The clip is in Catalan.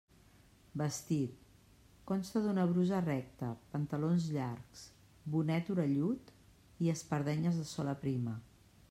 Vestit: consta d'una brusa recta, pantalons llargs, bonet orellut i espardenyes de sola prima.